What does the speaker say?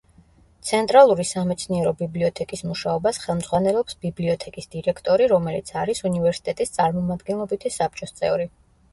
ცენტრალური სამეცნიერო ბიბლიოთეკის მუშაობას ხელმძღვანელობს ბიბლიოთეკის დირექტორი, რომელიც არის უნივერსიტეტის წარმომადგენლობითი საბჭოს წევრი.